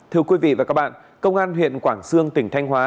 thưa quý vị và các bạn công an huyện quảng sương tỉnh thanh hóa